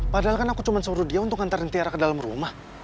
padahal kan aku cuma suruh dia untuk ngantarin tiara ke dalam rumah